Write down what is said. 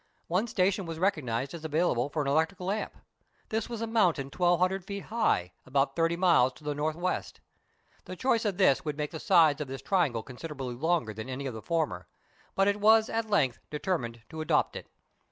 One station was recognized as available for an electric lamp. This was a mountain 1200 feet high, about THREE ENGLISHMEN AND THREE RUSSIANS. I07 thirty miles to the north west. The choice of this would make the sides of this triangle considerably longer than any of the former, but it was at length determined to adopt it.